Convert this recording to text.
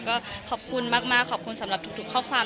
ก็ขอบคุณมากขอบคุณสำหรับทุกข้อความ